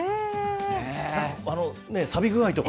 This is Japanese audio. さび具合とか。